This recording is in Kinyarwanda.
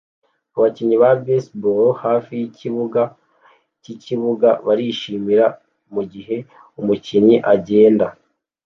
Abakinnyi ba baseball hafi yikibuga cyikibuga barishimira mugihe umukinnyi agenda